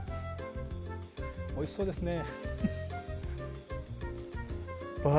おいしそうですね